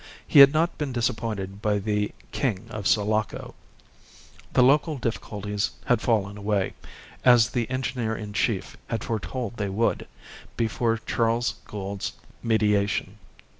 He had not been disappointed in the "King of Sulaco." The local difficulties had fallen away, as the engineer in chief had foretold they would, before Charles Gould's mediation.